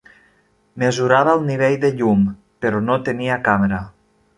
Mesurava el nivell de llum però no tenia càmera.